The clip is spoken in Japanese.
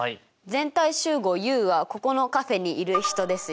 全体集合Ｕはここのカフェにいる人ですよ。